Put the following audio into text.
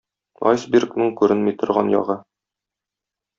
Айсбергның күренми торган ягы